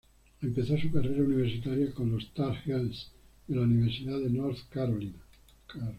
Empezó su carrera universitaria con los "Tar Heels" de la Universidad de North Carolina.